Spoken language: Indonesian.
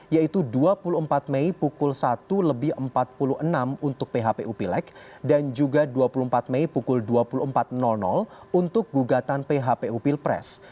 yaitu dua puluh empat mei pukul satu lebih empat puluh enam untuk phpu pilek dan juga dua puluh empat mei pukul dua puluh empat untuk gugatan phpu pilpres